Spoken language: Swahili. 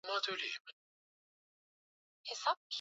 Watoto wa chuo kikuu wanafanya maandamano leo mchana kuchwa.